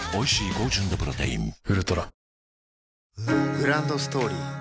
グランドストーリー